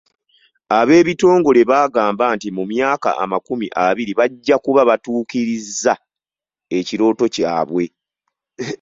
Ab'ekitongole baagamba nti mu myaka amakumi abiri bajja kuba batuukirizza ekirooto kyabwe.